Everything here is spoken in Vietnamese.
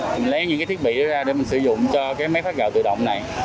mình lấy những cái thiết bị đó ra để mình sử dụng cho cái máy phát gạo tự động này